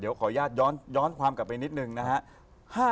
เดี๋ยวขออนุญาตย้อนความกลับไปนิดนึงนะฮะ